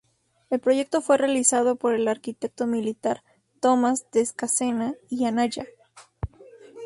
El proyecto fue realizado por el arquitecto militar Tomás de Escacena y Anaya.